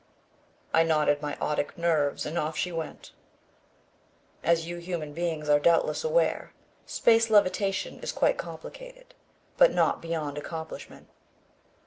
I nodded my otic nerves and off she went. As you human beings are doubtless aware, space levitation is quite complicated, but not beyond accomplishment.